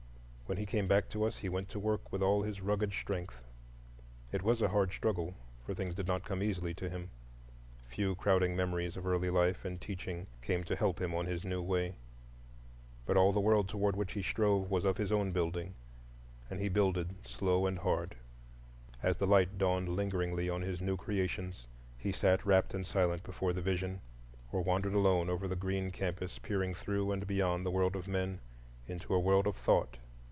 When he came back to us he went to work with all his rugged strength. It was a hard struggle, for things did not come easily to him,—few crowding memories of early life and teaching came to help him on his new way; but all the world toward which he strove was of his own building, and he builded slow and hard. As the light dawned lingeringly on his new creations, he sat rapt and silent before the vision, or wandered alone over the green campus peering through and beyond the world of men into a world of thought.